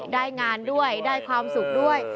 ได้งานด้วยได้ความสุขด้วย